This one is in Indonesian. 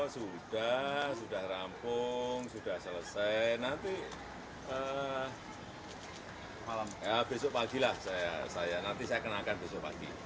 sudah sudah rampung sudah selesai nanti besok pagi lah saya kenalkan besok pagi